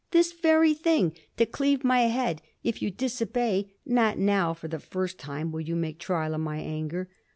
_ "This very thing, to cleave my head. If you disobey, not now for the first time will you make trial of my anger.